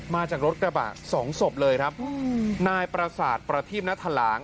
มาจากรถกระบะสองศพเลยครับอืมนายพระศาสตร์ประธิบณธรรหาง